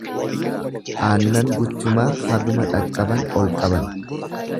Aannan guchumaa haguma dhaqaban ol qaban.